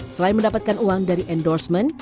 selain mendapatkan uang dari endorsement